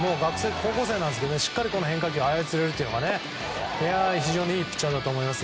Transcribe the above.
高校生なんですけど、しっかりと変化球を操れるということで非常にいいピッチャーだと思います。